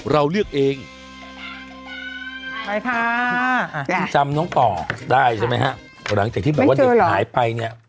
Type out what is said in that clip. ไปค่ะจำน้องต่อได้ใช่ไหมฮะหลังจากที่แบบว่าเด็กหายไปเนี้ย